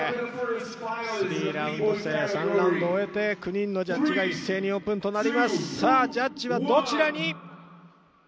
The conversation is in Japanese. スリーラウンド制、３ラウンド終えて、９人のジャッジが一斉にオープンとなります。